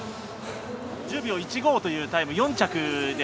１０秒１５というタイム、４着です。